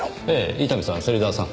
伊丹さん芹沢さん